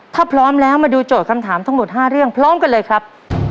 ถ้าพร้อมแล้วมาดูโจทย์คำถามทั้งหมด๕เรื่องพร้อมกันเลยครับ